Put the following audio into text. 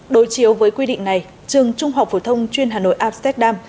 đối chiếu với quy định này trường trung học phổ thông chuyên hà nội amsterdam